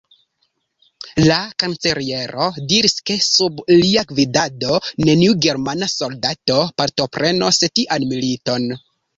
La kanceliero diris, ke sub lia gvidado neniu germana soldato partoprenos tian militon.